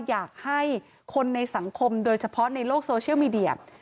อยากให้คนในสังคมโดยเฉพาะในโลกโซเชียลมีเดีย